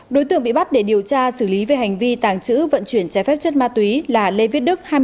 đối tượng bị bắt để điều tra xử lý về hành vi tàng trữ vận chuyển trái phép chất ma túy là lê viết đức